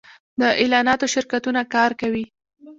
د اعلاناتو شرکتونه کار کوي